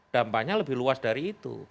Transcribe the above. dampaknya lebih luas dari itu